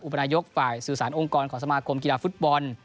ประนายกฝ่ายสื่อสารองค์กรของสมาคมกีฬาฟุตบอล